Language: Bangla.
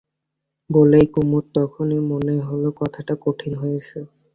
বলেই কুমুর তখনই মনে হল কথাটা কঠিন হয়েছে।